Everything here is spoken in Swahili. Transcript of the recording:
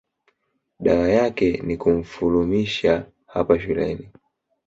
dawa yake ni kumfulumisha hapa shuleni